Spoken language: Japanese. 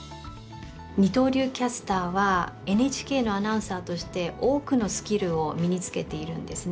二刀流キャスターはＮＨＫのアナウンサーとして多くのスキルを身につけているんですね。